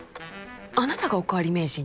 あなたがおかわり名人？